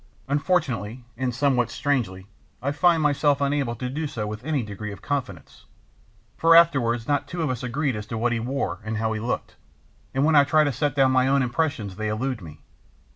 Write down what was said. Unfortunately, and somewhat strangely, I find myself unable to do so with any degree of confidence, for afterward no two of us agreed as to what he wore and how he looked; and when I try to set down my own impressions they elude me.